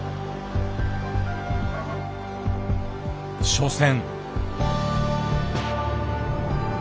初戦。